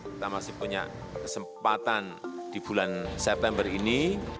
kita masih punya kesempatan di bulan september ini